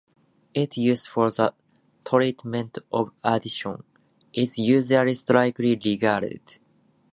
Its use for the treatment of addiction is usually strictly regulated.